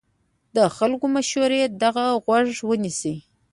د خلکو مشورې ته غوږ ونیسئ.